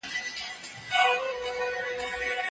نازنینه